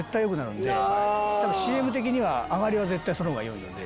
ＣＭ的には上がりは絶対その方がよいので。